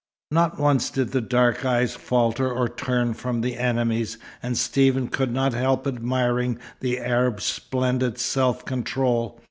Not once did the dark eyes falter or turn from the enemy's, and Stephen could not help admiring the Arab's splendid self control.